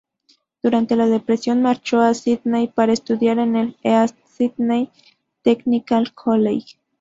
Durante la depresión, marchó a Sídney para estudiar en el East Sydney Technical College.